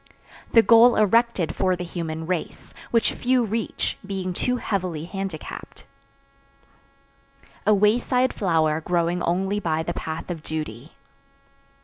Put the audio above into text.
The goal erected for the human race, which few reach, being too heavily handicapped. A wayside flower growing only by the path of duty.